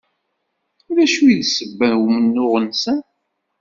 D acu i d ssebba n umennuɣ-nsen?